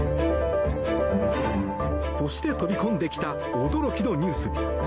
そして、飛び込んできた驚きのニュース。